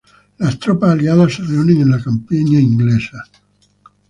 Las tropas aliadas se reúnen en la campiña inglesa.